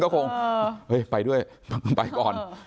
เขาคงไปด้วยไปก่อน